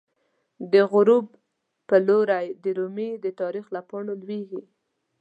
د غروب په لوری د رومی، د تاریخ له پاڼو لویزی